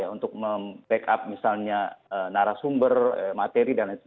untuk mem back up narasumber materi dsb